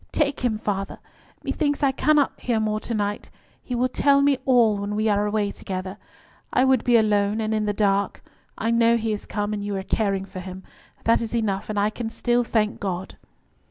"Take him, father; methinks I cannot hear more to night. He will tell me all when we are away together. I would be alone, and in the dark; I know he is come, and you are caring for him. That is enough, and I can still thank God."